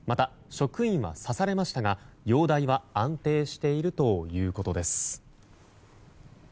職員は刺されましたが容体は安定しているということです。